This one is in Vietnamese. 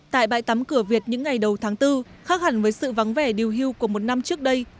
tại bãi tắm cửa việt những ngày đầu tháng bốn khác hẳn với sự vắng vẻ điều hưu của một năm trước đây